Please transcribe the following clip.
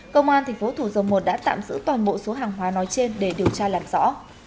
công an tp hcm đã tạm giữ toàn bộ số hàng hóa nói trên để điều tra làm rõ